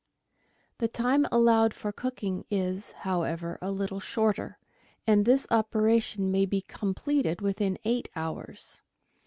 The time allowed for cooking is, however, a little shorter, and this opera tion may be completed within eight hours.